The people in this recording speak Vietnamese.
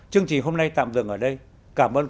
chương trình hôm nay tạm dừng ở đây cảm ơn